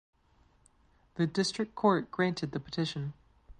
The District Court granted the petition.